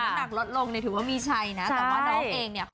ดีมากเลยค่ะมีค่ะมีทั้งผ่านชุมชนมีทั้งสวรรค์ค่ะ